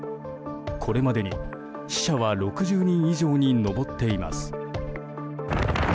これまでに死者は６０人以上に上っています。